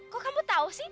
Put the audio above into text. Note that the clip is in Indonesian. kok kamu tau sih